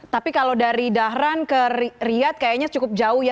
tapi kalau dari dahran ke riyad kayaknya cukup jauh ya